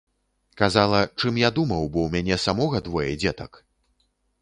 Казала, чым я думаў, бо ў мяне самога двое дзетак.